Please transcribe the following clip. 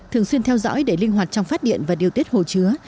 thường xuyên theo dõi để linh hoạt trong phát điện và điều tiết hồ chứa